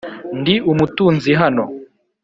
Ndi umutunzi hano